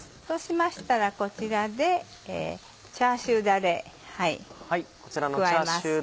そうしましたらこちらでチャーシューだれ加えます。